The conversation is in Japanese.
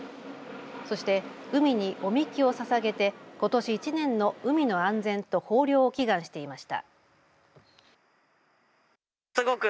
そして海にお神酒をささげてことし１年の海の安全と豊漁を祈願していました。